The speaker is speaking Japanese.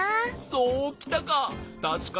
そうきたか！